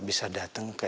dia pake helm